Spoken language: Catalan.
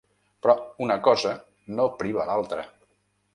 Però una cosa no priva l’altra.